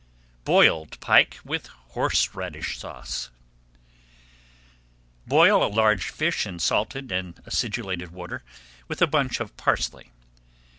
BOILED PIKE WITH HORSERADISH SAUCE Boil a large fish in salted and acidulated water with a bunch of parsley.